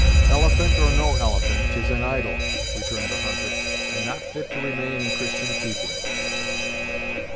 "Elephant, or no elephant, 'tis an idol," returned the hunter, "and not fit to remain in Christian keeping."